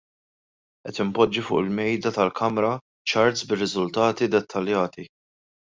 Qed inpoġġi fuq il-Mejda tal-Kamra charts bir-riżultati dettaljati.